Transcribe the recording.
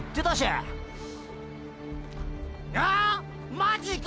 ⁉マジか！